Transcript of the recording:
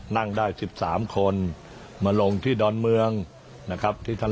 นั่งได้๑๓คนมาลงที่ดอนเมืองนะครับที่ท่าน